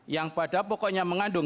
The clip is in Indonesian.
yang pada pokoknya manfaatkan